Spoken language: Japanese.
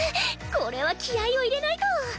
これは気合いを入れないと。